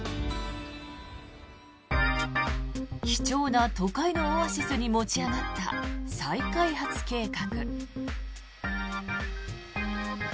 貴重な都会のオアシスに持ち上がった再開発計画。